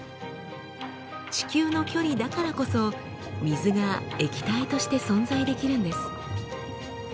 地球の距離だからこそ水が液体として存在できるんです。